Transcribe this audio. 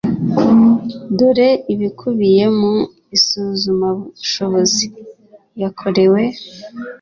Dore ibikubiye mu isuzumabushobozi yakorewe